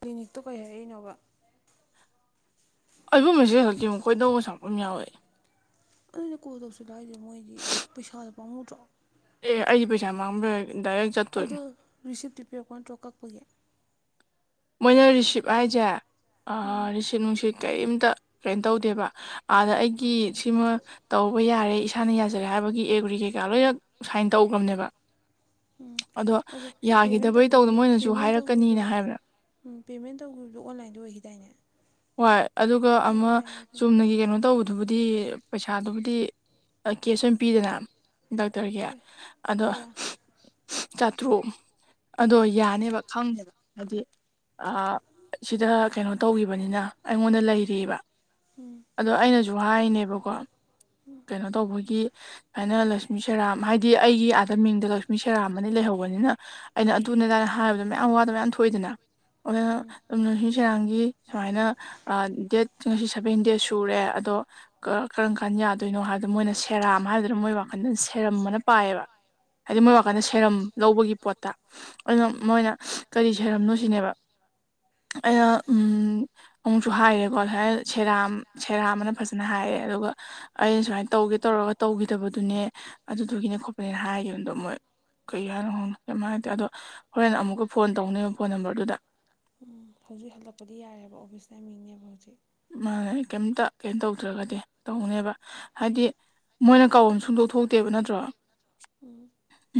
ꯀ꯭ꯂꯤꯅꯤꯛꯇꯣ ꯀꯩ ꯍꯥꯏꯔꯛꯏꯅꯣꯕ ꯑꯩꯕꯨ ꯃꯦꯁꯦꯖ ꯍꯧꯖꯤꯛꯇꯤꯨꯛ ꯀꯣꯏꯗꯧꯕ ꯁꯥꯄ ꯌꯥꯎꯋꯦ ꯑꯗꯨꯩꯅ ꯀꯣꯜ ꯇꯧꯁꯤ ꯂꯥꯛꯏꯁꯦ ꯃꯣꯏꯗꯤ ꯄꯩꯁꯥꯗ ꯄꯥꯃꯨꯗ꯭ꯔꯣ ꯑꯦ ꯑꯩꯗꯤ ꯄꯩꯁꯥ ꯃꯥꯡꯕ꯭ꯔ ꯗꯥꯏꯔꯦꯛ ꯆꯠꯇꯣꯏꯅꯤ ꯑꯗꯣ ꯔꯤꯁꯤꯞꯇꯤ ꯄꯤꯔꯛꯄ ꯅꯠꯇ꯭ꯔꯣ ꯀꯛꯄꯒꯤ ꯃꯣꯏꯅ ꯔꯤꯁꯤꯞ ꯍꯥꯏꯁꯦ ꯔꯤꯁꯤꯞ ꯅꯨꯡꯁꯤꯠ ꯀꯔꯤꯝꯇ ꯀꯩꯅꯣ ꯇꯧꯗꯦꯕ ꯑꯥꯗ ꯑꯩꯒꯤ ꯁꯤꯃ ꯇꯧꯕ ꯌꯥꯔꯦ ꯏꯁꯥꯅ ꯌꯥꯖꯔꯦ ꯍꯥꯏꯕꯒꯤ ꯑꯦꯒ꯭ꯔꯤ ꯀꯩꯀꯥ ꯂꯣꯏꯅ ꯁꯥꯏꯟ ꯇꯧꯈ꯭ꯔꯕꯅꯦꯕ ꯑꯗꯣ ꯄꯦꯃꯦꯟ ꯌꯥꯈꯤꯗꯕꯩ ꯇꯧꯗ ꯇꯧꯕꯒꯤ ꯃꯣꯏꯅꯁꯨ ꯄꯦꯃꯦꯟ ꯇꯧꯈꯤꯕꯗꯣ ꯍꯥꯏꯔꯛꯀꯅꯤꯅ ꯍꯥꯏꯕ꯭ꯔꯥ ꯎꯝ ꯄꯦꯃꯦꯟ ꯇꯧꯈꯤꯕꯗꯣ ꯑꯣꯟꯂꯥꯏꯟꯗ ꯑꯣꯏꯈꯤꯗꯥꯏꯅꯦ ꯍꯣꯏ ꯑꯗꯨꯒ ꯑꯣ ꯑꯃ ꯌꯥꯔꯦ ꯑꯗꯨꯗꯤ ꯆꯨꯝꯅꯒꯤ ꯀꯩꯅꯣ ꯇꯧꯕꯗ ꯑꯗꯨꯕꯨꯗꯤ ꯄꯩꯁꯥꯗꯨꯕꯨꯗꯤ ꯀꯦꯁ ꯑꯣꯏꯅ ꯄꯤꯗꯅ ꯗꯥꯛꯇꯔꯒꯤ ꯑꯗꯣ ꯀꯌꯥ ꯆꯥꯇ꯭ꯔꯨꯛ ꯑꯗꯣ ꯌꯥꯅꯦꯕ ꯈꯪꯗꯦꯕ ꯍꯥꯏꯗꯤ ꯁꯤꯗ ꯀꯩꯅꯣ ꯇꯧꯕ ꯕꯅꯤꯅ ꯑꯩꯉꯣꯟꯗ ꯂꯩꯔꯤꯑꯕ ꯎꯝ ꯑꯗꯣ ꯑꯩꯅꯁꯨ ꯍꯥꯏꯅꯦꯕꯀꯣ ꯀꯩꯅꯣ ꯇꯧꯕꯒꯤ ꯁꯨꯃꯥꯏꯅ ꯂꯛꯁꯃꯤ ꯁꯦꯔꯥꯝ ꯍꯥꯏꯗꯤ ꯑꯩꯒꯤ ꯑꯥꯗ ꯃꯤꯡꯗ ꯂꯛꯁꯃꯤ ꯁꯦꯔꯥꯝ ꯑꯅꯤ ꯂꯩꯍꯧꯕꯅꯤꯅ ꯑꯩꯅ ꯑꯗꯨꯅꯦꯗꯥꯅ ꯍꯥꯏꯕꯗ ꯃꯌꯥꯝ ꯋꯥꯗꯕ ꯃꯌꯥꯝ ꯊꯣꯛꯏꯗꯅ ꯎꯝ ꯑꯗꯨꯅꯁꯤ ꯁꯦꯔꯥꯡꯒꯤ ꯁꯨꯃꯥꯏꯅ ꯗꯦꯠ ꯉꯁꯤ ꯁꯚꯦꯟ ꯗꯦꯖ ꯁꯨꯔꯦ ꯑꯗꯣ ꯀꯔꯝ ꯀꯥꯟ ꯌꯥꯗꯣꯏꯅꯣ ꯍꯥꯏꯕꯗꯣ ꯃꯣꯏꯅ ꯁꯦꯔꯥꯝ ꯍꯥꯏꯗꯨꯅ ꯃꯣꯏ ꯋꯥꯈꯜꯗꯅ ꯁꯦꯔꯝ ꯑꯃꯅ ꯄꯥꯏꯌꯦꯕ ꯍꯥꯏꯗꯤ ꯃꯣꯏ ꯎꯝ ꯋꯥꯀꯥꯟꯗ ꯁꯦꯔꯝ ꯂꯧꯕꯒꯤ ꯄꯣꯠꯇ ꯑꯩꯅ ꯎꯝ ꯃꯣꯏꯅ ꯀꯔꯤ ꯁꯔꯝꯅꯣ ꯁꯤꯅꯦꯕ ꯑꯩꯅ ꯑꯃꯨꯛꯁꯨ ꯍꯥꯏꯔꯦꯀꯣꯃꯥꯏꯅ ꯁꯦꯔꯥ ꯁꯦꯔꯥꯝꯅ ꯐꯖꯅ ꯍꯥꯏꯔꯦ ꯑꯗꯨꯒ ꯑꯩꯅ ꯁꯨꯃꯥꯏꯅ ꯇꯧꯒꯦ ꯇꯧꯔꯒ ꯇꯧꯈꯤꯗꯕꯗꯨꯅꯦ ꯑꯗꯨꯗꯨꯒꯤꯅꯦ ꯈꯣꯠꯄꯅꯦꯅ ꯍꯥꯏꯈꯤꯕꯗꯣ ꯃꯣꯏ ꯀꯩ ꯍꯥꯏꯅꯣ ꯍꯣꯡꯅꯣ ꯀꯃꯥꯏ ꯍꯥꯏꯇꯦ ꯑꯗꯣ ꯍꯣꯔꯦꯟ ꯑꯃꯨꯛꯀ ꯐꯣꯟ ꯇꯧꯅꯦꯕ ꯐꯣꯟ ꯅꯝꯕꯔꯗꯨꯗ ꯎꯝ ꯍꯧꯖꯤꯛ ꯍꯜꯂꯛꯄꯗꯤ ꯌꯥꯔꯦꯕ ꯑꯣꯐꯤꯁ ꯇꯃꯤꯡꯅꯦꯕ ꯍꯧꯖꯤꯛ ꯃꯥ ꯀꯩꯝꯇ ꯀꯩꯅ ꯇꯧꯗ꯭ꯔꯒꯗꯤ ꯇꯧꯅꯦꯕ ꯍꯥꯏꯗꯤ ꯃꯣꯏꯅ ꯀꯥꯎꯕ ꯑꯃ ꯁꯨꯡꯗꯣꯛ ꯊꯣꯛꯇꯦꯕ ꯅꯠꯇ꯭ꯔꯣ ꯎꯝ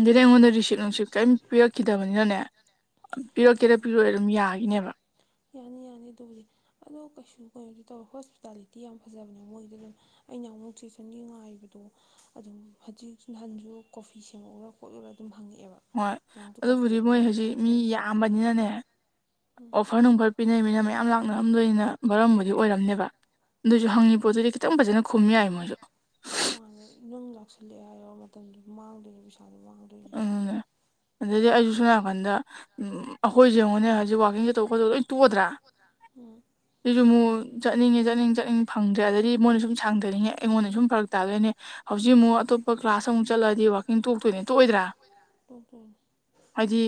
ꯗꯤ ꯑꯩꯉꯣꯟꯗ ꯔꯤꯁꯤꯞ ꯅꯨꯡꯁꯤꯞ ꯀꯔꯤꯝ ꯄꯤꯔꯛꯈꯤꯗꯕꯅꯤꯅꯅꯦ ꯄꯤꯔꯛꯀꯦꯗ ꯄꯤꯔꯛꯑꯣ ꯑꯗꯨꯝ ꯌꯥꯒꯤꯅꯦꯕ ꯌꯥꯅꯤ ꯌꯥꯅꯤ ꯑꯗꯨꯕꯨꯗꯤ ꯑꯗꯣ ꯀꯩꯁꯨ ꯀꯩꯅꯣꯗꯤ ꯇꯧꯋꯦ ꯍꯣꯁꯄꯤꯇꯥꯂꯤꯇꯤ ꯌꯥꯝ ꯐꯖꯕꯅꯦ ꯃꯣꯏꯗ ꯑꯗꯨꯝ ꯑꯩꯅ ꯑꯃꯨꯛ ꯊꯤꯁꯨ ꯉꯥꯏꯕꯗꯣ ꯑꯗꯨꯝ ꯍꯧꯖꯤꯛ ꯅꯍꯥꯟꯁꯨ ꯀꯣꯐꯤ ꯁꯦꯝꯃꯛꯛꯎꯔꯥ ꯈꯣꯠꯂꯎꯔꯥ ꯑꯗꯨꯝ ꯍꯪꯉꯛꯑꯦꯕ ꯍꯣꯏ ꯅꯍꯥꯟꯃꯨꯛꯁꯨ ꯀꯣꯐꯤ ꯑꯗꯨꯕꯨꯗꯤ ꯑꯅꯤꯅꯦ ꯃꯣꯏ ꯑꯩꯅ ꯍꯧꯖꯤꯛ ꯃꯤ ꯊꯛꯊꯣꯛꯏꯁꯦ ꯌꯥꯝꯕꯅꯤꯅꯅꯦ ꯑꯣꯐꯔ ꯅꯨꯡꯐꯔ ꯄꯤꯅꯩꯃꯤꯅ ꯃꯌꯥꯝ ꯂꯥꯛꯅꯔꯝꯗꯣꯏꯅꯤꯅ ꯔꯝꯕ ꯑꯗꯨ ꯑꯣꯏꯔꯝꯅꯦꯕ ꯑꯗꯨꯁꯨ ꯎꯝ ꯍꯪꯉꯤ ꯄꯣꯠꯇꯗꯤ ꯈꯤꯇꯪ ꯐꯖꯅ ꯈꯨꯝ ꯌꯥꯏ ꯃꯣꯏꯁꯨ ꯃꯥ ꯅꯪ ꯂꯥꯛꯁꯜꯂꯛꯑꯦ ꯍꯥꯏꯔ ꯃꯇꯝꯗꯨꯗ ꯃꯥꯡꯗꯣꯏꯅꯦ ꯄꯩꯁꯥꯗꯣ ꯃꯥꯡꯗ ꯎꯝ ꯑꯗꯨꯗꯤ ꯑ ꯁꯁꯝ ꯅꯥꯀꯟꯗ ꯑꯩꯈꯣꯏꯁꯦ ꯑꯩꯉꯣꯏꯅꯦ ꯍꯧꯖꯤꯛ ꯋꯥꯛꯀꯤꯡ ꯆꯊꯣꯛ ꯈꯣꯠꯇꯧ ꯂꯣꯏ ꯇꯣꯛꯗ꯭ꯔꯥ ꯎꯝ ꯑꯗꯨꯁꯨ ꯃꯨ ꯆꯠꯅꯤꯡꯉꯦ ꯆꯠꯅꯤꯡ ꯆꯠꯅꯤꯡ ꯐꯪꯗ꯭ꯔꯦ ꯑꯗꯗꯤ ꯃꯣꯏꯅ ꯁꯨꯝ ꯁꯥꯡꯊꯅꯤꯡꯉꯦ ꯑꯩꯉꯣꯟꯗ ꯁꯨꯝ ꯐꯔꯛ ꯇꯥꯗꯣꯏꯅꯦ ꯍꯧꯖꯤꯛ ꯑꯃꯨꯛ ꯑꯇꯣꯞꯄ ꯀ꯭ꯂꯥꯁ ꯑꯃꯨꯛ ꯆꯠꯂꯛꯑꯗꯤ ꯋꯥꯛꯀꯤꯡ ꯇꯣꯛꯇꯣꯏꯅꯦ ꯇꯣꯛꯑꯣꯏꯗ꯭ꯔꯥ ꯇꯣꯛꯇꯣꯏꯅꯤ ꯍꯥꯏꯗꯤ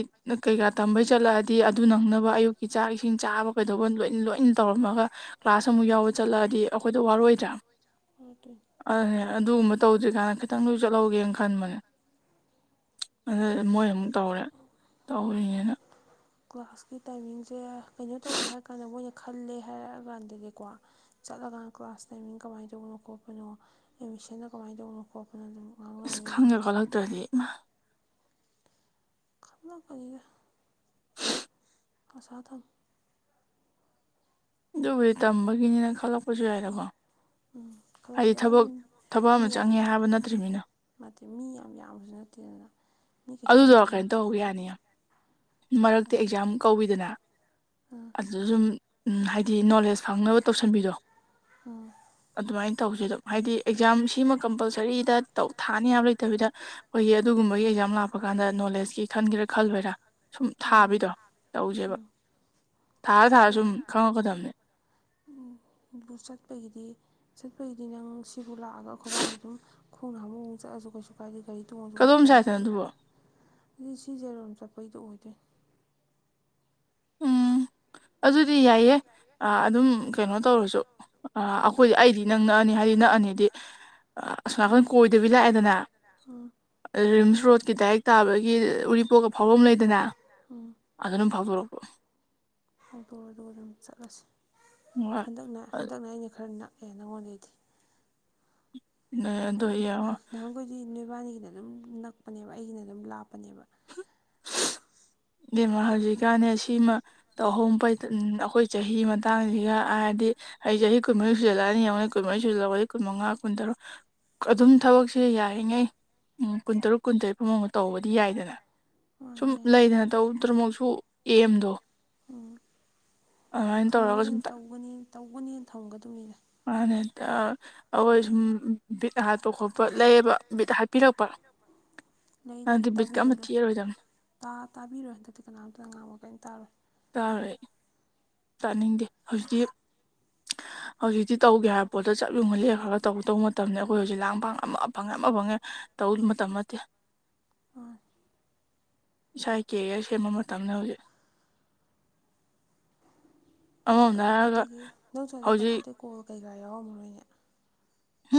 ꯀꯩꯀꯥ ꯇꯝꯕꯩ ꯆꯠꯂꯛꯑꯗꯤ ꯑꯗꯨ ꯅꯪꯅꯕ ꯑꯌꯨꯛꯀꯤ ꯆꯥꯛ ꯏꯁꯤꯡ ꯆꯥꯕ ꯀꯩꯗꯧꯕ ꯂꯣꯏ ꯂꯣꯏ ꯇꯧꯔꯝꯃꯒ ꯀ꯭ꯂꯥꯁ ꯑꯃꯨꯛ ꯌꯥꯎꯕ ꯆꯠꯂꯛꯑꯗꯤ ꯑꯩꯈꯣꯏꯗ ꯋꯥꯔꯣꯏꯗ꯭ꯔꯥ ꯍ ꯐꯦ ꯑꯅꯦ ꯑꯗꯨꯒꯨꯝꯕ ꯇꯧꯗ꯭ꯔꯤ ꯀꯥꯏꯅ ꯈꯤꯇꯪ ꯂ ꯆꯠꯍꯧꯒꯦꯅ ꯈꯟꯕꯅꯦ ꯑꯗꯨꯗꯤ ꯃꯣꯏ ꯑꯃꯨꯛ ꯇꯧꯔꯦ ꯇꯧꯔꯤꯅꯤꯅ ꯀ꯭ꯂꯥꯁꯀꯤ ꯇꯥꯏꯃꯤꯡꯁꯦ ꯀꯩꯅꯣ ꯇꯧꯔꯦ ꯍꯥꯏꯔ ꯀꯥꯟꯗ ꯃꯣꯏꯅ ꯈꯜꯂꯦ ꯍꯥꯏꯔꯛꯑꯀꯥꯟꯗꯗꯤꯀꯣ ꯆꯠꯂꯀꯥꯟ ꯀ꯭ꯂꯥꯁ ꯇꯥꯏꯃꯤꯡ ꯀꯃꯥꯏꯅ ꯇꯧꯕꯅꯣ ꯈꯣꯠꯄꯅꯣ ꯑꯦꯠꯃꯤꯁꯟꯅ ꯀꯃꯥꯏꯅ ꯇꯧꯕꯅꯣꯣ ꯀꯣꯄꯅ ꯑꯗꯨꯝ ꯏꯁ ꯉꯥꯡꯅꯕ ꯌꯥꯔꯅꯤ ꯈꯪꯉꯒꯣꯂꯥꯛꯛꯇꯗꯤ ꯏ ꯃꯥ ꯑꯅ ꯀꯔꯦ ꯁꯥꯊ ꯑꯗꯨꯕꯨꯗꯤ ꯇꯝꯕꯒꯤꯅꯤꯅ ꯈꯜꯂꯛꯄꯁꯨ ꯌꯥꯏꯗꯀꯣ ꯎꯝ ꯈꯖ ꯍꯥꯏꯗꯤ ꯈꯖ ꯊꯕꯛ ꯍꯥꯏ ꯊꯕꯛ ꯃꯤ ꯑꯃ ꯌꯥꯝ ꯆꯪꯉꯦ ꯍꯥꯏꯕ ꯅꯠꯇ꯭ꯔꯤꯕꯅꯤꯅ ꯅꯠꯇꯦ ꯃꯤ ꯌꯥꯝ ꯌꯥꯝꯕꯁꯨ ꯅꯠꯇꯦꯗꯅ ꯃꯤ ꯀꯩꯁꯨ ꯌꯥꯝ ꯑꯗꯨꯗꯣ ꯌꯥꯝꯅ ꯀꯩꯅꯣ ꯇꯧꯍꯧꯕ ꯇꯧꯔꯣꯏ ꯌꯥꯅꯤ ꯃꯔꯛꯇꯤ ꯑꯦꯛꯖꯥꯝ ꯀꯧꯕꯤꯗꯅ ꯑꯥ ꯑꯗꯨꯗ ꯁꯨꯝ ꯍꯥꯏꯗꯤ ꯅꯣꯂꯦꯖ ꯁꯪꯅꯕ ꯇꯧꯁꯟꯕꯤꯗꯣ ꯑꯥ ꯑꯗꯨꯃꯥꯏꯅ ꯇꯧꯁꯦ ꯑꯗꯨꯝ ꯍꯥꯏꯗꯤ ꯑꯦꯛꯖꯥꯝ ꯁꯤꯃ ꯀꯝꯄꯜꯁ ꯒꯥꯔꯤꯗ ꯇꯧ ꯊꯥꯅꯤ ꯌꯥꯝ ꯂꯩꯇꯕꯤꯗ ꯑꯩꯈꯣꯏꯒꯤ ꯑꯗꯨꯒꯨꯝꯕꯒꯤ ꯑꯦꯛꯖꯥꯝ ꯂꯥꯛꯄ ꯀꯥꯟꯗ ꯅꯣꯂꯦꯖꯀꯤ ꯈꯟꯒꯦꯔꯥ ꯈꯜꯂꯣꯏꯔꯥ ꯁꯨꯝ ꯊꯥꯕꯤꯗꯣ ꯇꯧꯁꯦꯕ ꯊꯥꯔ ꯊꯥꯔ ꯁꯨꯝ ꯈꯪꯉꯛꯀꯗꯕꯅꯦ ꯕꯨ ꯆꯠꯄꯒꯤꯗꯤ ꯆꯠꯄꯒꯤꯗꯤ ꯅꯪ ꯁꯤꯕꯨ ꯂꯥꯛꯑꯒ ꯑꯩꯈꯣꯏꯕꯥꯗ ꯑꯗꯨꯝ ꯈꯣꯡꯅ ꯍꯥꯨꯛꯛ ꯆꯠꯂꯁꯨ ꯀꯩꯁꯨ ꯀꯥꯏꯗꯦ ꯒꯥꯔꯤ ꯇꯣꯡꯉꯁꯨ ꯀꯩꯁꯨ ꯀꯗꯣꯝ ꯁꯥꯏꯠꯇꯅꯣ ꯀꯥꯏꯗꯦꯕ ꯑꯗꯨꯕꯣ ꯑꯗꯨ ꯁꯤꯖꯥꯔꯣꯝ ꯆꯠꯄꯩꯗꯣ ꯑꯣꯏꯗꯣꯏꯅꯦ ꯎꯝ ꯑꯗꯨꯗꯤ ꯌꯥꯏꯌꯦ ꯑꯥ ꯑꯗꯨꯝ ꯀꯩꯅꯣ ꯇꯧꯔꯁꯨ ꯑ ꯑꯩꯈꯣꯏꯗꯤ ꯑꯩꯗꯤ ꯏꯅꯛ ꯅꯛꯑꯅꯤ ꯍꯥꯏꯗꯤ ꯅꯛꯑꯅꯤꯗꯤ ꯑꯁꯣꯝꯀꯟ ꯀꯣꯏꯗꯕꯤ ꯂꯥꯛꯑꯦꯗꯅ ꯎꯝ ꯔꯤꯝꯁ ꯔꯣꯗꯀꯤ ꯗꯥꯏꯔꯦꯛ ꯇꯥꯕꯒꯤ ꯎꯔꯤꯄꯣꯛꯀ ꯐꯥꯎꯐꯝ ꯂꯩꯗꯅ ꯎꯝ ꯑꯗꯗꯨ ꯐꯥꯎꯗꯣꯔꯛꯑꯣ ꯑꯣꯛꯇꯣꯗꯣ ꯑꯗꯨ ꯑꯗꯨꯝ ꯆꯠꯂꯁꯤ ꯍꯣꯏ ꯍꯟꯗꯛꯅ ꯍꯟꯗꯛꯅ ꯑꯩꯅ ꯈꯔ ꯅꯛꯑꯦ ꯅꯪꯉꯣꯟꯗꯩꯗꯤ [unintelligible] ꯅꯍ ꯅꯍꯥꯟꯈꯣꯏꯗꯤ ꯅꯣꯏꯕꯥꯅꯤꯒꯤꯅ ꯑꯗꯨꯝ ꯅꯛꯄꯅꯦꯕ ꯑꯩꯒꯤꯅ ꯑꯗꯨꯝ ꯂꯥꯞꯄꯅꯦꯕ ꯏꯕꯦꯝꯃꯥ ꯍꯧꯖꯤꯛꯀꯥꯟꯅꯦ ꯁꯤꯃ ꯇꯧꯍꯧꯝ ꯐꯩ ꯑꯩꯈꯣꯏ ꯆꯍꯤ ꯃꯇꯥꯡꯁꯤꯒ ꯍꯥꯏꯔꯗꯤ ꯑꯩ ꯆꯍꯤ ꯀꯨꯟ ꯃꯔꯤ ꯁꯨꯜꯂꯛꯑꯅꯤ ꯌꯦꯡꯉꯩ ꯀꯨꯟ ꯃꯔꯤ ꯁꯨꯜꯛꯒ ꯀꯨꯟ ꯃꯉꯥ ꯀꯟ ꯇꯔꯨꯛ ꯑꯗꯨꯝ ꯊꯕꯛꯁꯦ ꯌꯥꯔꯤꯉꯩ ꯀꯨꯟꯇꯔꯨꯛ ꯀꯨꯟꯇꯔꯦꯠ ꯐꯧ ꯃꯥꯅꯨꯡꯗ ꯇꯧꯕꯗꯤ ꯌꯥꯏꯗꯅ ꯁꯨꯝ ꯃꯥꯅꯦ ꯂꯩꯗꯅ ꯇꯧꯗ꯭ꯔꯃꯛꯁꯨ ꯑꯦꯝꯗꯣ ꯎꯝ ꯑꯗꯨꯃꯥꯏꯅ ꯇꯧꯔꯒ ꯁꯨꯝ ꯊꯝꯒꯗꯕꯅꯤ ꯇꯧꯒꯅꯤ ꯇꯧꯒꯅꯦꯅ ꯊꯝꯒꯗꯕꯅꯤꯅ ꯃꯥꯅꯦ ꯍꯦꯛꯇꯥ ꯑꯈꯣꯏ ꯁꯨꯝ ꯕꯤꯠ ꯍꯥꯠꯄ ꯈꯣꯠꯄ ꯂꯩꯌꯦꯕ ꯕꯤꯠ ꯍꯥꯠꯄꯤꯔꯛꯄ ꯂꯩ ꯂꯩ ꯑꯗꯨꯗꯤ ꯕꯤꯠꯀ ꯑꯃ ꯇꯥꯕꯤꯗꯕ ꯂꯩ ꯇꯦꯛꯑꯔꯣꯏꯗꯕꯅꯤ ꯇꯥ ꯇꯥꯕꯤꯔꯣꯏ ꯍꯟꯗꯛꯇꯤ ꯀꯅꯥꯝꯇꯅ ꯉꯥꯡꯕ ꯀꯩꯝ ꯇꯥꯔꯣꯏ ꯇꯥꯔꯣꯏ ꯑꯩ ꯇꯥꯅꯤꯡꯗꯦ ꯍꯧꯖꯤꯛꯇꯤ ꯍꯧꯖꯤꯛꯇꯤ ꯇꯧꯒꯦ ꯍꯥꯏꯕ ꯄꯣꯠꯇꯣ ꯆꯞ ꯌꯨꯡꯅ ꯂꯦꯈ꯭ꯔꯒ ꯇꯧ ꯗꯧ ꯃꯇꯝꯗ ꯑꯩꯈꯣꯏ ꯍꯧꯖꯤꯛ ꯂꯥꯡ ꯄꯥꯡ ꯑꯃ ꯐꯪꯉꯦ ꯑꯃ ꯐꯪꯉꯦ ꯇꯧ ꯃꯇꯝ ꯆꯠꯇꯦ ꯑꯥ ꯏꯁꯥꯏ ꯀꯦꯔꯤꯌꯔ ꯁꯦꯝꯕ ꯃꯇꯝꯅꯦ ꯍꯧꯖꯤꯛ ꯍꯧꯖꯤꯛ ꯑꯃꯔꯣꯝꯗ ꯍꯥꯏꯔꯒ ꯀꯅꯥꯝꯇꯒꯤ ꯅꯪꯁꯨ ꯍꯧꯛ ꯍꯧꯖꯤꯛ ꯀꯅꯥꯝꯇ ꯀꯣꯜ ꯀꯩꯀꯥ ꯌꯥꯎꯔꯝꯃꯔꯣꯏꯅꯦ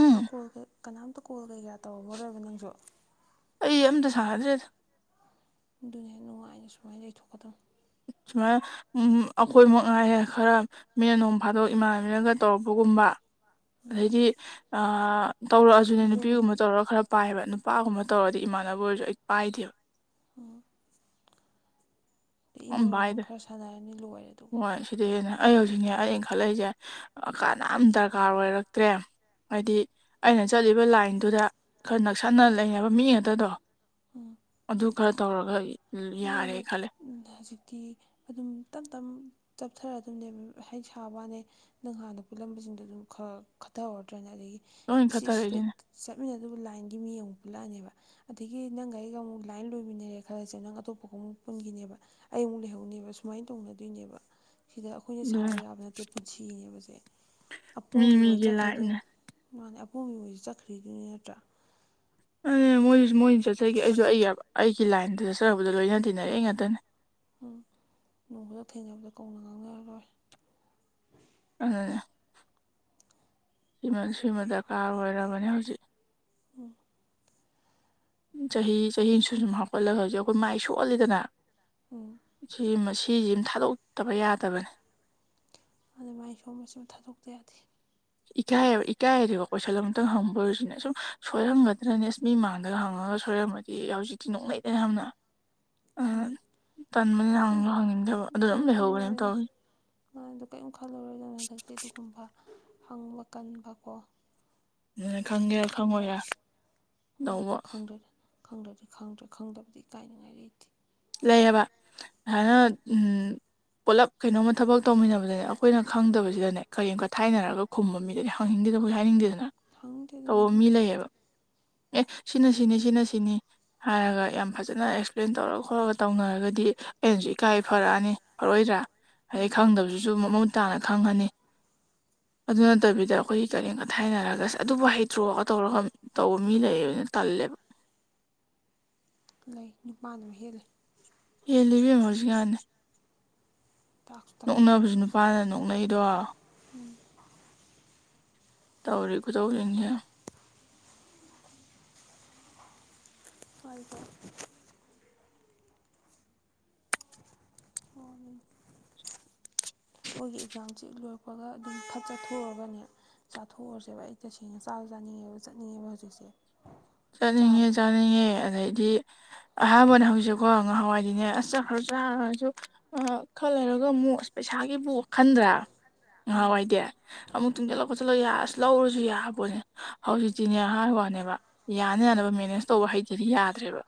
ꯀꯅꯥꯝ ꯀꯣꯜ ꯕꯦꯛ ꯀꯅꯥꯝꯇ ꯀꯣꯜ ꯀꯩ ꯀꯥ ꯇꯧꯔꯔꯣꯏꯕ ꯅꯪꯁꯨ ꯑꯩ ꯑꯝꯇ ꯁꯥꯗ꯭ꯔꯦꯗ ꯑꯗꯨꯅꯦ ꯅꯨꯡꯉꯥꯏꯅ ꯁꯨꯃꯥꯏꯅ ꯂꯩꯊꯣꯛꯀꯗꯕꯅꯦ ꯁꯨꯃꯥꯏ ꯎꯝ ꯑꯩꯈꯣꯏ ꯃꯉꯥꯏꯔꯦ ꯈꯔ ꯃꯤꯅ ꯅꯣꯡ ꯐꯥꯗꯣꯛ ꯏꯃꯥꯟꯅꯕꯤꯅꯒ ꯇꯧꯔꯛꯄꯒꯨꯝꯕ ꯑꯗꯩꯗꯤ ꯑꯥ ꯇꯧꯔꯛꯑꯁꯨꯅꯦ ꯌꯨꯝꯒꯤ ꯅꯨꯄꯤꯒꯨꯝꯕ ꯇꯧꯔꯒ ꯈꯔ ꯄꯥꯏꯑꯕ ꯅꯨꯄꯥꯒꯨꯝꯕ ꯇꯧꯔꯗꯤ ꯏꯃꯥꯟꯅꯕ ꯑꯣꯏꯔꯁꯨ ꯑꯩ ꯄꯥꯏꯗꯦꯕ ꯎꯝ ꯑꯩ ꯑꯝ ꯏꯃꯨꯡ ꯃꯅꯨꯡ ꯈꯔ ꯁꯥꯟꯅꯔꯅꯤ ꯂꯣꯏꯔꯦ ꯑꯗꯨꯒ ꯁꯤꯗꯩꯍꯦꯟꯅ ꯑꯩ ꯍꯧꯖꯤꯛꯅꯦ ꯑꯩꯅꯈꯠꯂꯛꯏꯁꯦ ꯀꯥꯟꯅꯥꯝ ꯗꯔꯀꯥꯔ ꯑꯣꯏꯔꯛꯇ꯭ꯔꯦ ꯍꯥꯏꯗꯤ ꯑꯩꯅ ꯆꯠꯂꯤꯕ ꯂꯥꯏꯟꯗꯨꯗ ꯈꯔ ꯅꯛꯁꯟꯅ ꯂꯩ ꯍꯥꯏꯕ ꯃꯤ ꯉꯥꯛꯇꯗꯣ ꯑꯗꯨ ꯈꯔ ꯇꯧꯔꯒ ꯌꯥꯔꯦ ꯃꯥꯅꯤ ꯈꯜꯂꯦ ꯎꯝ ꯍꯧꯖꯤ ꯇꯤ ꯑꯗꯨꯝ ꯇꯝ ꯇꯝ ꯆꯞꯊꯔꯛꯑꯗꯝꯅꯦ ꯍꯥꯏ ꯁꯥꯕꯩꯋꯥꯅꯦ ꯅꯪ ꯍꯥꯟꯅ ꯄꯨꯜꯂꯝꯕꯁꯤꯡꯗꯣ ꯑꯗꯨꯝ ꯈꯔ ꯈꯔ ꯈꯠꯍꯧꯔꯗ꯭ꯔꯥꯅꯦ ꯑꯗꯒꯤ ꯂꯣꯏ ꯁꯤꯁꯤꯗ ꯈꯠꯊꯔꯛꯏꯁꯤꯅ ꯆꯠꯃꯤꯟꯅꯗꯨꯕꯨ ꯂꯥꯏꯟꯒꯤ ꯃꯤ ꯑꯃꯨꯛ ꯄꯨꯜꯂꯛꯑꯅꯦꯕ ꯑꯗꯒꯤ ꯅꯪꯒ ꯑꯩꯒ ꯑꯃꯨꯛ ꯂꯥꯏꯟ ꯂꯣꯏꯃꯤꯟꯅꯔꯦ ꯈꯔꯁꯦ ꯅꯪ ꯑꯇꯣꯞꯄ ꯑꯃꯨꯛ ꯄꯨꯟꯈꯤꯅꯦꯕ ꯑꯩ ꯑꯃꯨꯛ ꯂꯩꯍꯧꯅꯦꯕ ꯁꯨꯃꯥꯏꯅ ꯇꯧꯅꯗꯣꯏꯅꯦꯕ ꯁꯤꯗ ꯑꯩꯈꯣꯏꯅ ꯑꯗꯨꯅ ꯁꯥꯎꯔꯨ ꯌꯥꯕ ꯅꯠꯇꯦ ꯄꯨꯟꯁꯤꯅꯦꯕꯁꯦ ꯃꯤ ꯑꯄꯣꯝꯕꯤ ꯃꯣꯏ ꯃꯤꯒꯤ ꯂꯥꯏꯞꯅꯦ ꯆꯠꯈꯩꯗꯣꯏꯅꯤ ꯃꯥꯅꯦ ꯑꯄꯣꯝꯕꯤ ꯃꯣꯏꯁꯨ ꯆꯠꯈ꯭ꯔꯤꯗꯨꯅꯤ ꯅꯠꯇ꯭ꯔꯥ ꯑꯗꯨꯅꯦ ꯃꯣꯏꯁꯨ ꯃꯣꯏ ꯆꯠꯆꯥꯒꯤ ꯑꯩꯁꯨ ꯑꯩ ꯑꯩꯒꯤ ꯂꯥꯏꯟꯗ ꯆꯠꯆꯔꯨꯕꯗꯣ ꯂꯣꯏꯅ ꯇꯤꯟꯅꯔꯛꯑꯏ ꯉꯥꯛꯇꯅꯦ ꯎꯝ ꯅꯣꯡ ꯐꯥꯗꯣꯛ ꯊꯦꯡꯅꯕꯗ ꯀꯧꯅ ꯉꯥꯡꯅꯔꯔꯣꯏ ꯑꯗꯨꯅꯦ ꯁꯤꯃꯥ ꯁꯤꯃꯥ ꯗꯔꯀꯥꯔ ꯑꯣꯏꯔꯕꯅꯦ ꯍꯧꯖꯤꯛ ꯎꯝ ꯆꯍꯤ ꯆꯍꯤ ꯁꯨꯝ ꯁꯨꯝ ꯍꯥꯞꯀꯠꯂꯒ ꯍꯧꯖꯤꯛ ꯑꯩꯈꯣꯏ ꯃꯥꯏ ꯁꯣꯜꯂꯤꯗꯅ ꯎꯝ ꯁꯤ ꯃꯁꯤꯖꯤꯝ ꯊꯥꯗꯣꯛꯇꯕ ꯌꯥꯗꯕꯅꯦ ꯑꯗꯨꯃꯥꯏ ꯁꯣꯝꯗ ꯁꯤꯃ ꯊꯥꯗꯣꯛꯇ ꯌꯥꯗꯦ ꯏꯀꯥꯏꯌꯦꯕ ꯏꯀꯥꯏꯌꯦꯗꯤꯕ ꯀꯣꯏꯁꯟ ꯑꯃꯇꯪ ꯍꯪꯕ ꯑꯣꯏꯔꯁꯨꯅꯦ ꯁꯨꯝ ꯁꯣꯏꯔꯝꯒꯗ꯭ꯔꯅꯦ ꯏꯁ ꯃꯤ ꯃꯥꯡꯗꯒ ꯍꯪꯉꯒ ꯁꯣꯏꯔꯝꯃꯗꯤ ꯍꯧꯖꯤꯛꯇꯤ ꯅꯣꯛꯅꯩꯗꯅ ꯌꯥꯝꯅ ꯑꯍꯟ ꯃꯥꯅꯤ ꯇꯟꯕꯅꯤꯅ ꯑꯗꯨ ꯀꯩꯝ ꯍꯪꯖꯨ ꯍꯪꯅꯤꯡꯗꯦꯕ ꯑꯗꯨꯅ ꯑꯗꯨꯝ ꯂꯩꯍꯧꯕꯅꯦꯕ ꯇꯧꯏ ꯃꯥꯏꯗꯣ ꯀꯔꯤꯝ ꯈꯜꯂꯔꯣꯏꯗꯧꯅꯣ ꯍꯟꯗꯛꯇꯤ ꯑꯗꯨꯒꯨꯝꯕ ꯍꯪꯕ ꯀꯟꯕ ꯀꯣ ꯑꯗꯨꯅ ꯑꯗꯨꯏ ꯈꯪꯒꯦꯔꯥ ꯑꯗꯨꯝ ꯌꯥ ꯈꯪꯉꯣꯏꯔꯥ ꯎꯝ ꯇꯧꯕ ꯈꯪꯗ꯭ꯔꯦꯗꯅ ꯈꯪꯗ꯭ꯔꯗꯤ ꯈꯪꯗ꯭ꯔꯦ ꯈꯪꯗꯕꯗꯤ ꯏꯀꯥꯏꯅꯤꯡꯉꯥꯏ ꯂꯩꯇꯦ ꯂꯩꯑꯕ ꯑꯁꯥꯏꯅ ꯎꯝ ꯄꯨꯂꯞ ꯀꯩꯅꯣꯝꯃ ꯊꯕꯛ ꯇꯧꯃꯤꯟꯅꯕꯗꯅꯦ ꯑꯈꯣꯏꯅ ꯈꯪꯗꯕꯁꯤꯗꯅꯦ ꯀꯔꯦꯝ ꯀꯊꯥꯏꯅꯔꯒ ꯈꯨꯝꯕ ꯃꯤꯗꯗꯤ ꯍꯪꯅꯤꯡꯗꯦꯗꯅ ꯑꯈꯣꯏꯖꯨ ꯍꯥꯏꯅꯤꯡꯗꯦꯗꯅ ꯊꯥꯡꯗꯦ ꯑꯗꯨꯗꯤ ꯇꯧꯕ ꯃꯤ ꯍꯪ ꯂꯩꯌꯦꯕ ꯑꯦ ꯁꯤꯅ ꯁꯤꯅꯤ ꯁꯤꯅ ꯁꯤꯅꯤ ꯍꯥꯏꯔꯒ ꯌꯥꯝ ꯐꯖꯅ ꯑꯦꯛꯁꯄ꯭ꯂꯦꯟ ꯇꯧꯔꯒ ꯈꯣꯠꯂꯒ ꯇꯧꯅꯔꯒꯗꯤ ꯑꯩꯅꯖꯨ ꯏꯀꯥꯏ ꯐꯔꯛꯑꯅꯤ ꯐꯔꯛꯑꯣꯏꯗ꯭ꯔꯥ ꯑꯗꯩ ꯎꯝ ꯈꯪꯗꯕꯁꯤꯁꯨ ꯃꯃꯨꯠ ꯇꯥꯅ ꯈꯪꯉꯅꯤ ꯑꯗꯨ ꯅꯠꯇꯕꯤꯗ ꯑꯈꯣꯏꯒꯤ ꯀꯔꯦꯝ ꯀꯊꯥꯏꯅꯔꯒ ꯑꯁ ꯑꯗꯨꯕꯨ ꯍꯩꯇ꯭ꯔꯣꯒ ꯇꯧꯔꯒ ꯇꯧꯕ ꯃꯤ ꯂꯩꯌꯦꯕ ꯑꯗꯨꯅ ꯇꯜꯂꯦꯕ ꯂꯩ ꯅꯨꯄꯥꯅ ꯃꯍꯦꯜꯂꯦ ꯍꯦꯜꯂꯤ ꯏꯕꯦꯝꯃ ꯍꯧꯖꯤꯛꯀꯥꯟꯗꯤ ꯇꯥꯛꯁ ꯇꯥꯛꯄꯤ ꯑꯗꯣ ꯅꯣꯛꯅꯕꯁꯨ ꯑꯁ ꯅꯨꯄꯥꯅ ꯅꯣꯛꯅꯩꯗꯣ ꯎꯝ ꯇꯧꯔꯤ ꯈꯨꯇꯧꯁꯤꯡꯁꯦ ꯄꯥꯏꯌꯨꯀꯣ ꯍꯣꯅꯤ ꯃꯣꯏꯒꯤ ꯑꯦꯛꯖꯥꯝꯖꯤ ꯍꯦꯛ ꯂꯣꯏꯔꯛꯄꯒ ꯑꯗꯨꯝ ꯐꯠ ꯆꯠꯊꯣꯛꯎꯔꯒꯅꯦ ꯆꯥꯊꯣꯛꯎꯔꯁꯦꯕ ꯑꯩ ꯇꯁꯦꯡꯅ ꯆꯥꯁꯨ ꯆꯥꯅꯤꯡꯉꯦꯕ ꯆꯠꯅꯤꯡꯉꯦꯕ ꯍꯧꯖꯤꯛꯁꯦ ꯆꯥꯅꯤꯡꯉꯦ ꯆꯥꯕꯗꯣ ꯆꯥꯅꯤꯡꯉꯦ ꯑꯗꯩꯗꯤ ꯑꯍꯥꯟꯕꯅ ꯍꯧꯖꯤꯛꯀꯣ ꯉꯍꯥꯟꯋꯥꯏꯗꯤꯅꯦ ꯑꯁ ꯆꯠꯈ꯭ꯔ ꯆꯥꯔꯁꯨ ꯑ ꯈꯔ ꯂꯩꯔꯒ ꯑꯃꯨꯛ ꯑꯁ ꯄꯩꯁꯥꯒꯤꯕꯨ ꯈꯟꯗ꯭ꯔꯥ ꯉꯍꯥꯟꯋꯥꯏꯗꯤ ꯑꯃꯨꯛ ꯇꯨꯡꯖꯜꯂ ꯈꯣꯠꯆꯜꯂ ꯌꯥ ꯑꯁ ꯂꯧꯔꯁꯨ ꯌꯥꯕꯅꯦ ꯍꯧꯖꯤꯛꯇꯤꯅꯦ ꯍꯥꯏ ꯋꯥꯅꯦꯕ ꯌꯥꯅ ꯌꯥꯅꯕ ꯃꯦꯅꯦꯖ ꯇꯧꯕ ꯍꯩꯇꯗꯤ ꯌꯥꯗ꯭ꯔꯦꯕ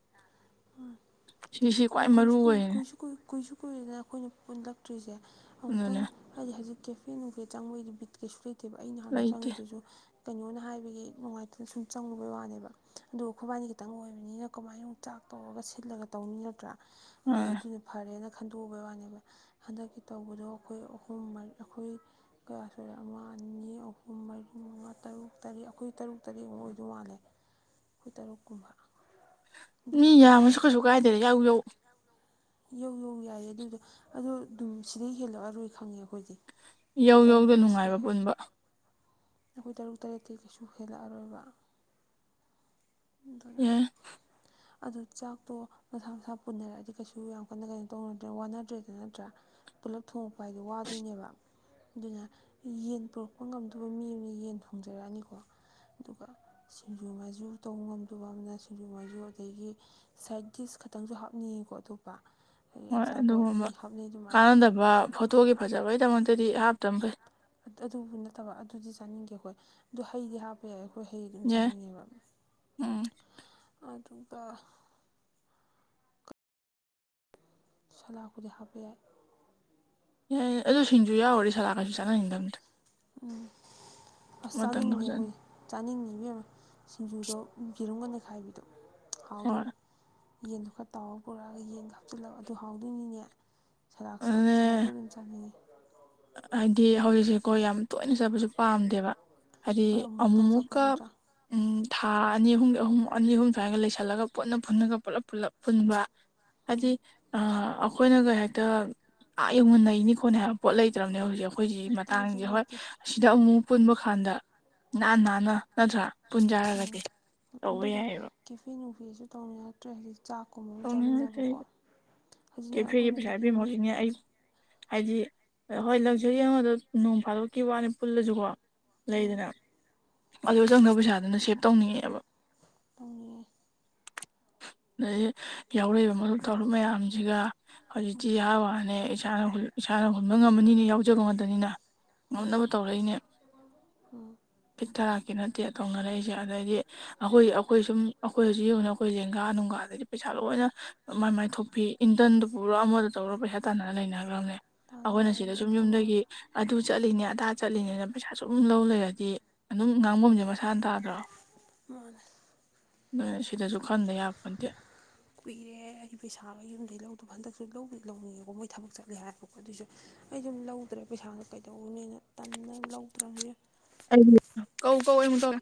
ꯁꯤꯁꯤ ꯑꯗꯩ ꯈ꯭ꯋꯥꯏ ꯃꯔꯨ ꯀꯨꯏꯁꯨ ꯀꯨꯏ ꯑꯣꯏꯔꯤꯅꯦ ꯀꯨꯏꯁꯨ ꯀꯨꯏ ꯀꯨꯏꯁꯨ ꯀꯨꯏꯔꯦꯗꯅ ꯑꯩꯈꯣꯏꯅ ꯄꯨꯜꯂꯛꯇ꯭ꯔꯤꯁꯦ ꯑꯃꯨꯛꯇꯪ ꯑꯗꯨꯅꯦ ꯍꯥꯏꯗꯤ ꯍꯧꯖꯤꯛ ꯀꯦꯐꯦ ꯅꯨꯡꯐꯦ ꯆꯪꯕꯩꯗꯤ ꯕꯤꯠ ꯀꯩꯁꯨ ꯂꯩꯇꯦꯕ ꯑꯩꯅ ꯍꯥꯟꯅ ꯂꯩꯇꯦ ꯆꯪꯉꯤꯗꯨꯁꯨ ꯀꯩꯅꯣꯅ ꯍꯥꯏꯕꯒꯤ ꯅꯨꯡꯉꯥꯏꯇꯅ ꯁꯨꯝ ꯆꯪꯉꯨꯕꯩ ꯋꯥꯅꯦꯕ ꯑꯗꯨꯒ ꯑꯈꯣꯏꯕꯥꯏꯅꯤ ꯈꯤꯇꯪ ꯑꯣꯏꯕꯅꯤꯅ ꯀꯃꯥꯏꯅ ꯑꯃꯨꯛ ꯆꯥꯛ ꯇꯧꯔꯒ ꯁꯤꯜꯂꯒ ꯇꯧꯅꯤ ꯅꯠꯇ꯭ꯔꯥ ꯑꯗꯨꯅ ꯑꯥ ꯑꯗꯨꯅ ꯐꯔꯦꯅ ꯈꯟꯗꯣꯛꯎꯕꯩ ꯋꯥꯅꯦꯕ ꯍꯟꯗꯛꯀꯤ ꯇꯧꯕꯗꯣ ꯑꯈꯣꯏ ꯑꯍꯨꯝ ꯃꯔ ꯑꯈꯣꯏ ꯀꯌꯥ ꯁꯨꯔꯦ ꯑꯃ ꯑꯅꯤ ꯑꯍꯨꯝ ꯃꯔꯤ ꯃꯉꯥ ꯇꯔꯨꯛ ꯇꯔꯦꯠ ꯑꯈꯣꯏ ꯇꯔꯨꯛ ꯇꯔꯦꯠꯃꯨꯛ ꯑꯣꯏꯗꯧ ꯃꯥꯜꯂꯦ ꯑꯈꯣꯏ ꯇꯔꯨꯛ ꯀꯨꯝꯕ ꯃꯤ ꯌꯥꯝꯃꯁꯨ ꯀꯩꯁꯨ ꯀꯥꯏꯗꯦ ꯌꯥꯎ ꯌꯧ ꯌꯧ ꯌꯧ ꯌꯥꯏꯌꯦ ꯑꯗꯨꯏꯗꯣ ꯑꯗꯣ ꯗꯨꯝ ꯁꯤꯗꯩ ꯍꯦꯜꯂꯛꯑꯔꯣꯏ ꯈꯪꯉꯦ ꯑꯈꯣꯏꯗꯤ ꯌꯧ ꯑꯈꯣꯏ ꯇꯔꯨꯛ ꯌꯧꯗ ꯇꯔꯦꯠ ꯁꯤꯗꯩ ꯅꯨꯡꯉꯥꯏꯕ ꯍꯦ ꯄꯨꯟꯕ ꯑꯈꯣꯏ ꯇꯔꯨꯛ ꯇꯔꯦꯠꯇꯩ ꯀꯩꯁꯨ ꯍꯦꯜꯂꯛꯑꯔꯣꯏꯕ ꯑꯗꯨꯅ ꯌꯥꯏ ꯑꯗꯨ ꯆꯥꯛꯇꯣ ꯃꯁꯥ ꯃꯁꯥ ꯄꯨꯅꯔꯛꯑꯗꯤ ꯀꯩꯁꯨ ꯌꯥꯝ ꯀꯟꯅ ꯀꯩꯅꯣ ꯇꯧꯅꯗ꯭ꯔꯦ ꯋꯥꯅꯗ꯭ꯔꯦꯗ ꯅꯠꯇ꯭ꯔꯥ ꯄꯨꯜꯂꯞ ꯊꯣꯡꯉꯛꯄ ꯍꯥꯏꯗꯣ ꯋꯥꯗꯣꯏꯅꯦꯕ ꯑꯗꯨꯅ ꯌꯦꯟ ꯄꯨꯔꯛꯄ ꯉꯝꯗꯨꯕ ꯃꯤ ꯑꯃꯅ ꯌꯦꯟ ꯊꯣꯡꯖꯔꯛꯑꯅꯤꯀꯣ ꯑꯗꯨꯒ ꯁꯤꯡꯖꯨ ꯉꯥꯏꯖꯨ ꯇꯧ ꯉꯝꯗꯨꯕ ꯑꯃꯅ ꯁꯤꯡꯖꯨ ꯃꯥꯏꯖꯨ ꯑꯗꯩꯒꯤ ꯁꯥꯏꯠ ꯗꯤꯁ ꯈꯛꯇꯪꯁꯨ ꯍꯥꯞꯅꯤꯡꯉꯤꯀꯣ ꯑꯇꯣꯞꯄ ꯑꯗꯒꯤ ꯍꯣꯏ ꯑꯆꯥꯄꯣꯠ ꯑꯗꯨꯒꯨꯝꯕ ꯃꯤ ꯍꯥꯞꯅꯩ ꯑꯗꯨꯃꯥꯏꯅ ꯀꯥꯟꯅꯗꯕ ꯐꯣꯇꯣꯒꯤ ꯐꯖꯕꯩꯗꯃꯛꯇꯗꯤ ꯍꯥꯞꯇꯝ ꯐꯩ ꯑ ꯑꯗꯨꯕꯨ ꯅꯠꯇꯕ ꯑꯗꯨꯗꯤ ꯆꯥꯅꯤꯡꯒꯦ ꯍꯣꯏ ꯑꯗꯨ ꯍꯩꯗꯤ ꯍꯥꯞ ꯍꯣꯌꯦ ꯑꯩꯈꯣꯏ ꯍꯩ ꯑꯗꯨꯝ ꯌꯥꯏ ꯆꯥꯅꯤꯡꯉꯦꯕ ꯎꯝ ꯑꯗꯨꯒ ꯁꯂꯥꯛ ꯄꯨꯗꯤ ꯍꯥꯞꯄ ꯌꯥꯏ ꯌꯥꯏ ꯑꯗꯨ ꯁꯤꯡꯁꯨ ꯌꯥꯎꯔꯦ ꯁꯂꯥ ꯀꯩꯁꯨ ꯆꯥꯅꯅꯤꯡꯗꯕꯅꯤꯗ ꯎꯝ ꯑꯁ ꯑꯃꯇꯪꯗ ꯆꯥꯅꯤꯡꯗꯦ ꯐꯖꯅ ꯑꯩꯈꯣꯏ ꯆꯥꯅꯤꯡꯉꯤꯕ ꯑꯃ ꯁꯤꯡꯖꯨꯗꯣ ꯌꯦꯔꯨꯝꯕ ꯅꯈꯥꯏꯕꯤꯗꯣ ꯍꯣꯏ ꯍꯥꯎꯗꯣꯏꯅꯤ꯫ ꯌꯦꯟꯗꯣ ꯈꯔ ꯇꯥꯎꯔꯒ ꯄꯨꯔꯛꯑꯒ ꯌꯦꯟ ꯍꯥꯞꯆꯤꯜꯂꯒ ꯑꯗꯨ ꯍꯥꯎꯗꯣꯏꯅꯤꯅꯦ ꯁꯗꯥꯛꯁꯨ ꯑꯗꯨꯅꯦ ꯁꯔꯨꯝꯁꯅꯤ ꯍꯥꯏꯗꯤ ꯍꯧꯖꯤꯛꯁꯦꯀꯣ ꯌꯥꯝ ꯇꯣꯏꯅ ꯆꯠꯄꯁꯨ ꯄꯥꯝꯗꯦꯕ ꯍꯥꯏꯗꯤ ꯍꯣꯏ ꯑꯃꯨꯛ ꯑꯃꯨꯛꯇꯪ ꯆꯠꯄ ꯑꯃꯨꯛꯀ ꯅꯠꯇ꯭ꯔꯥ ꯎꯝ ꯊꯥ ꯑꯅꯤ ꯑꯍꯨꯝ ꯑꯍꯨꯝ ꯑꯅꯤ ꯑꯍꯨꯝ ꯁ꯭ꯋꯥꯏꯒ ꯂꯩꯁꯜꯂꯒ ꯄꯨꯠꯅ ꯐ ꯄꯨꯟꯅꯒ ꯄꯨꯜꯂꯞ ꯄꯨꯂꯞ ꯄꯨꯟꯕ ꯍꯥꯏꯗꯤ ꯑꯩꯈꯣꯏꯅ ꯀꯩ ꯍꯥꯏꯦꯛꯇ ꯑꯥ ꯌꯧꯉꯨꯟꯅꯩꯅꯤ ꯈꯣꯠꯅꯦ ꯍꯥꯏ ꯂꯩꯇ꯭ꯔꯕꯅꯦ ꯍꯧꯖꯤꯛ ꯑꯩꯈꯣꯏꯁꯤ ꯂꯩꯇꯦ ꯍꯧꯖꯤꯛ ꯃꯇꯥꯡꯁꯦ ꯍꯣꯏ ꯂꯩꯇꯦ ꯑꯁꯤꯗ ꯑꯃꯨꯛꯛ ꯄꯨꯟꯕ ꯀꯥꯟꯗ ꯏꯍꯥꯟ ꯅꯥꯟꯅ ꯅꯠꯇ꯭ꯔꯥ ꯎꯝ ꯄꯨꯟꯖꯔꯒꯗꯤ ꯇꯧꯕ ꯑꯗꯨꯒ ꯌꯥꯏꯑꯕ ꯀꯦꯐꯦ ꯅꯨꯡꯐꯤꯁꯨ ꯇꯧꯅ ꯌꯥꯗ꯭ꯔꯦ ꯍꯧꯖꯤꯛ ꯆꯥꯛꯀꯨꯝꯕ ꯑꯃ ꯇꯧꯅꯤꯡꯉꯛꯇꯦ ꯆꯥꯃꯤꯟꯅꯕꯀꯣ ꯍꯧꯖꯤꯛꯅꯤ ꯀꯦꯐꯦꯒꯤ ꯑꯩꯈꯣꯏ ꯄꯩꯁꯥ ꯃꯊꯛꯀꯤ ꯄꯤꯕ ꯃꯤ ꯍꯧꯖꯤꯛꯅꯦ ꯑꯩ ꯍꯥꯏꯗꯤ ꯍꯣꯏ ꯂꯛꯖꯔꯤ ꯑꯃꯗꯣ ꯅꯣꯡ ꯐꯥꯗꯣꯛꯀꯤ ꯋꯥꯅꯤ ꯄꯨꯜꯂꯁꯨꯀꯣ ꯎꯝ ꯂꯩꯗꯅ ꯑꯗꯨ ꯆꯪꯗꯕ ꯄꯩꯁꯥꯗꯨꯅ ꯁꯦꯚ ꯇꯧꯅꯤꯡꯉꯛꯑꯦꯕ ꯑꯪꯒꯤ ꯑꯗꯩꯗꯒꯤ ꯌꯥꯎꯔꯛꯏꯕ ꯇꯧꯔꯛ ꯃꯌꯥꯝꯁꯤꯒ ꯍꯧꯖꯤꯛꯇꯤ ꯌꯥꯍꯥꯟ ꯋꯥ ꯍꯅꯦ ꯏꯁꯥꯅ ꯏꯁꯥꯅ ꯍꯨꯟꯕ ꯉꯝꯃꯅꯤꯅ ꯌꯥꯎꯖꯕꯝ ꯉꯗꯅꯤꯅ ꯎꯝ ꯉꯝꯅꯕ ꯇꯧꯔꯛꯏꯅꯦ ꯎꯝ ꯐꯤꯠ ꯊꯔꯛꯀꯤ ꯅꯠꯇꯦ ꯇꯧꯅꯔꯛꯏꯁꯦ ꯑꯗꯩꯗꯤ ꯑꯩꯈꯣꯏ ꯑꯩꯈꯣꯏ ꯁꯨꯝ ꯑꯩꯈꯣꯏ ꯍꯧꯖꯤꯛ ꯌꯡꯅ ꯑꯩꯈꯣꯏ ꯖꯦꯡꯒꯥ ꯅꯨꯡꯒꯥꯗꯒꯤ ꯄꯩꯁꯥ ꯂꯣꯏꯅ ꯃꯥꯏ ꯃꯥꯏꯊ ꯊꯣꯛꯄꯤ ꯏꯟꯗꯟꯗꯨ ꯄꯨꯔꯣ ꯑꯃꯗ ꯇꯧꯔꯣ ꯄꯩꯁꯥ ꯇꯥꯟꯅꯅ ꯂꯩꯅꯈ꯭ꯔꯕꯅꯦ꯫ ꯑꯩꯈꯣꯏꯅ ꯇꯥꯟꯅꯔꯒ ꯁꯤꯗ ꯂꯣꯏ ꯁꯨꯝ ꯌꯨꯝꯗꯒꯤ ꯊꯣꯛꯅꯔꯅꯤ ꯑꯗꯨ ꯆꯠꯂꯤꯅꯦ ꯑꯗꯥ ꯆꯠꯂꯤꯅꯤꯅ ꯄꯩꯁꯥ ꯁꯨꯝ ꯂꯧ ꯂꯩꯔꯗꯤ ꯑꯗꯨꯝ ꯉꯥꯡꯐꯝꯁꯦ ꯃꯁꯥꯅ ꯇꯥꯗ꯭ꯔꯣ [unintelligible] ꯁꯤꯗꯁꯨ ꯈꯟꯗ ꯌꯥꯄ ꯅꯠꯇꯦ꯫ ꯀꯨꯏꯔꯦ ꯑꯩ ꯄꯩꯁꯥꯒ ꯌꯨꯝꯗꯒꯤꯩ ꯂꯧꯗꯣ ꯍꯟꯗꯛꯁꯨ ꯂꯧ ꯂꯧꯅꯤꯡꯉꯦꯕꯣ ꯃꯣꯏ ꯊꯕꯛ ꯆꯠꯂꯦ ꯍꯥꯏꯔꯕꯀꯣ ꯑꯗꯨꯏꯁꯨ ꯑꯩ ꯑꯗꯨꯝ ꯂꯧꯗ꯭ꯔꯦ ꯄꯩꯁꯥꯗꯣ ꯀꯩꯗꯧꯅꯦꯅ ꯇꯟꯅ ꯑꯗꯨ ꯂꯧꯗ꯭ꯔꯕꯅꯦ꯫ ꯑꯩ ꯀꯧ ꯀꯧ ꯏ ꯇꯧ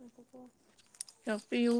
ꯎꯨꯀ ꯇꯄꯤꯌꯨ